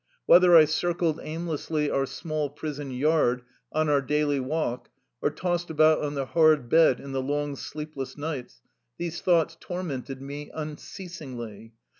Whether I circled aim lessly our small prison yard on our daily walk or tossed about on the hard bed in the long sleep less nights, these thoughts tormented me un ceasingly.